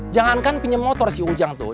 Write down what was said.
jangankan pinjam motor si ujang tuh